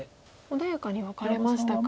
穏やかにワカれましたか。